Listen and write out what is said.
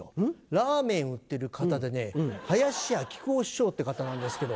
ラーメン売ってる方で林家木久扇師匠って方なんですけど。